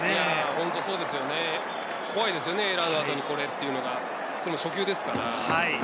本当にそうですよね、怖いですよね、エラーの後にこれというのは。それも初球ですから。